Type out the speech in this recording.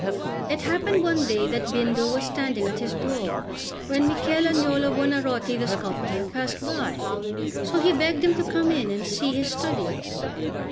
It happened one day that Bindo was standing at his door, when Michel Agnolo Buonarroti, the sculptor, passed by; so he begged him to come in and see his study.